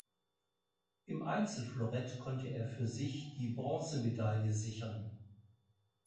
Im Einzel-Florett konnte er für sich die Bronzemedaille sichern.